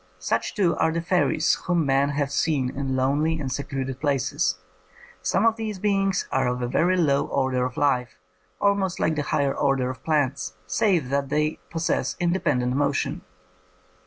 Such, too, are the fairies whom men have seen in lonely and secluded places. Some of these beings are of a very low order of life, almost like the higher order of plants, save that they possess independent motion.